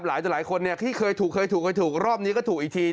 หลายคนที่เคยถูกรอบนี้ก็ถูกอีกที